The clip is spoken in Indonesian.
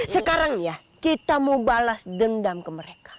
sekarang ya kita mau balas dendam ke mereka